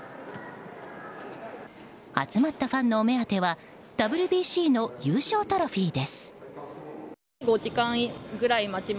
集まったファンのお目当てはＷＢＣの優勝トロフィーです。